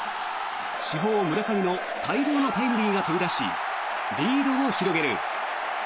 主砲・村上の待望のタイムリーが飛び出しリードを広げる。